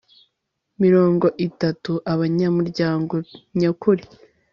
mirongo itatu abanyamuryango nyakuri